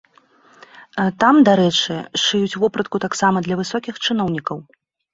Там, дарэчы, шыюць вопратку таксама для высокіх чыноўнікаў.